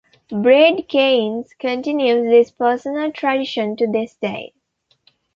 Brad Gaines continues this personal tradition to this day.